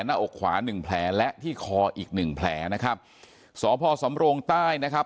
หน้าอกขวาหนึ่งแผลและที่คออีกหนึ่งแผลนะครับสพสำโรงใต้นะครับ